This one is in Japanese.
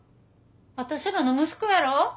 私らの息子やろ？